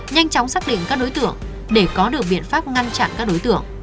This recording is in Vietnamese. nhanh chóng xác định các đối tượng để có được biện pháp ngăn chặn các đối tượng